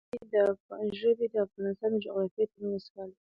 ژبې د افغانستان د جغرافیوي تنوع مثال دی.